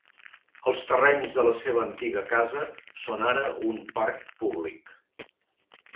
Els terrenys de la seva antiga casa són ara un parc públic.